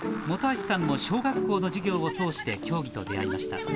本橋さんも小学校の授業を通して競技と出会いました